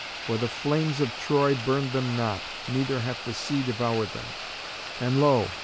For the flames of Troy burned them not, neither hath the sea devoured them. And, lo!